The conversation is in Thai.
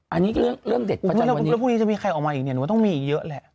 อันนี้เรื่องเด็ดเพราะฉะนั้นแล้วพรุ่งนี้จะมีใครออกมาอีกเนี่ยหนูว่าต้องมีอีกเยอะแหละ